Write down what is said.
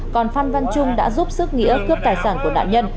còn phan văn trung đã giúp sức nghĩa cướp tài sản của nạn nhân